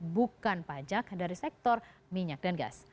bukan pajak dari sektor minyak dan gas